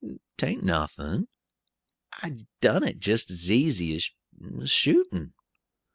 'Tain't nothin'. I done it jist as easy as shootin'."